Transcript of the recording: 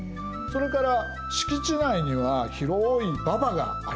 それから敷地内には広い馬場があります。